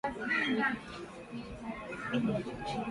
Kuacha kula nyama mbichi hukabiliana na ugonjwa wa homa ya bonde la ufa